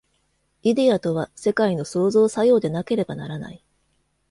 イデヤとは世界の創造作用でなければならない。